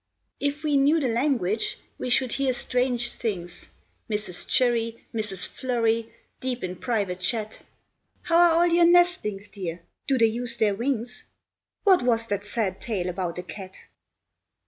If we knew the language, we should hear strange things; Mrs. Chirry, Mrs. Flurry, deep in private chat. "How are all your nestlings, dear? Do they use their wings? What was that sad tale about a cat?"